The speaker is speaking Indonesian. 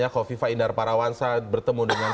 kofifa indar parawansa bertemu dengan